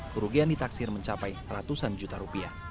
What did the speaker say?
kerugian ditaksir mencapai ratusan juta rupiah